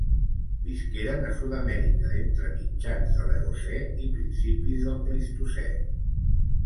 Visqueren a Sud-amèrica entre mitjans de l'Eocè i principis del Plistocè.